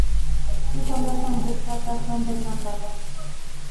Sus obras, aunque escasas, son de gran valor.